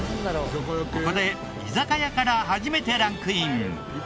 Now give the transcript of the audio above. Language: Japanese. ここで居酒屋から初めてランクイン。